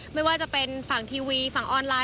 ไม่ว่าจะเป็นฝั่งทีวีฝั่งออนไลน